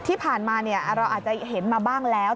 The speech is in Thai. ที่ผ่านมาเราอาจจะเห็นมาบ้างแล้ว